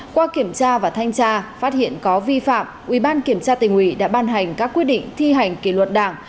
qua kiểm tra và thanh tra phát hiện có vi phạm ubnd đã ban hành các quyết định thi hành kỳ luật đảng